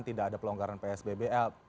tidak ada pelonggaran psbbl